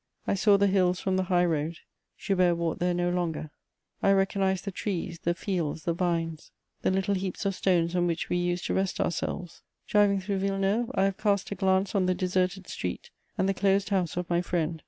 I saw the hills from the high road: Joubert walked there no longer; I recognised the trees, the fields, the vines, the little heaps of stones on which we used to rest ourselves. Driving through Villeneuve, I have cast a glance on the deserted street and the closed house of my friend.